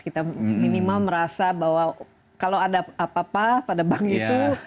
kita minimal merasa bahwa kalau ada apa apa pada bank itu